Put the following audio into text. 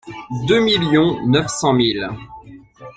Deux millions neuf cent mille !